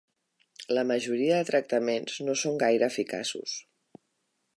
La majoria de tractaments no són gaire eficaços.